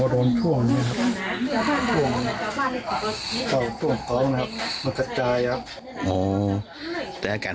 โดนท่วมนะครับ